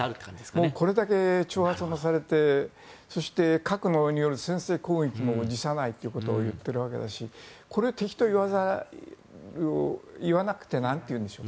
これだけ挑発をされてそして核による先制攻撃も辞さないということを言っているわけだしこれ、敵といわなくてなんというんでしょう。